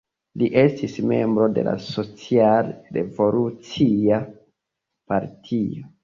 Li estis membro de la Social-Revolucia Partio.